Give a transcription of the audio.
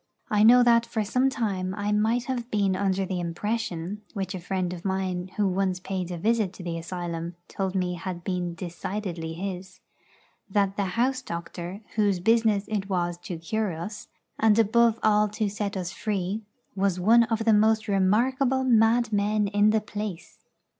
I know that for some time I might have been under the impression (which a friend of mine, who once paid a visit to the asylum, told me had been decidedly his) that the house doctor, whose business it was to cure us, and above all to set us free, was one of the most remarkable madmen in the place.